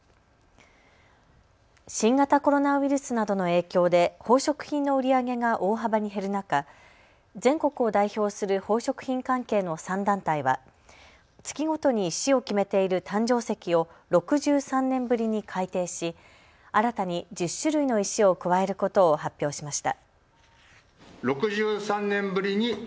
新型コロナウイルスなどの影響で宝飾品の売り上げが大幅に減る中、全国を代表する宝飾品関係の３団体は月ごとに石を決めている誕生石を６３年ぶりに改定し新たに１０種類の石を加えることを発表しました。